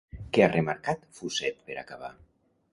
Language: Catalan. Què ha remarcat Fuset per acabar?